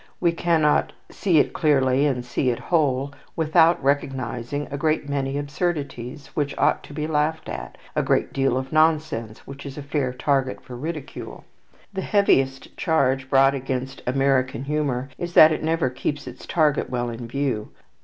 We cannot "see it clearly and see it whole," without recognizing a great many absurdities which ought to be laughed at, a great deal of nonsense which is a fair target for ridicule. The heaviest charge brought against American humour is that it never keeps its target well in view.